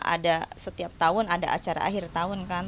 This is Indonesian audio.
ada setiap tahun ada acara akhir tahun kan